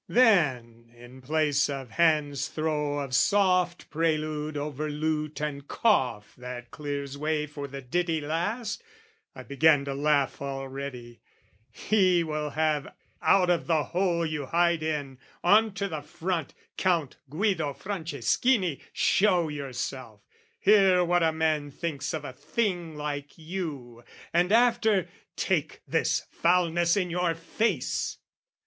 Then, in place "Of hand's throw of soft prelude over lute "And cough that clears way for the ditty last," I began to laugh already "he will have "'Out of the hole you hide in, on to the front, "'Count Guido Franceschini, show yourself! "'Hear what a man thinks of a thing like you, "'And after, take this foulness in your face!"'